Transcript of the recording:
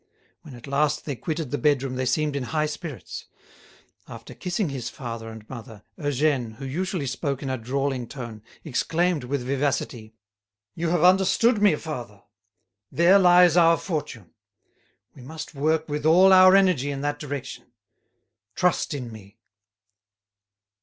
When at last they quitted the bedroom they seemed in high spirits. After kissing his father and mother, Eugène, who usually spoke in a drawling tone, exclaimed with vivacity: "You have understood me, father? There lies our fortune. We must work with all our energy in that direction. Trust in me."